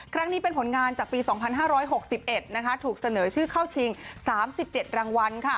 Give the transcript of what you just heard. ครั้งนี้เป็นผลงานจากปี๒๕๖๑ถูกเสนอชื่อเข้าชิง๓๗รางวัล